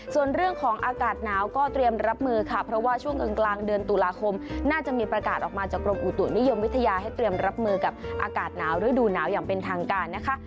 ส่วนเรื่องของอากาศหนาวก็เตรียมรับมือค่ะเพราะว่าช่วงกลางเดือนตุลาคมน่าจะมีประกาศออกมาจากกรมอุตุนิยมวิทยาให้เตรียมรับมือกับอากาศหนาวฤดูหนาวอย่างเป็นทางการนะคะ